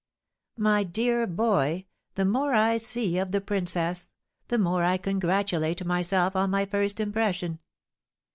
"My dear boy, the more I see of the princess, the more I congratulate myself on my first impression.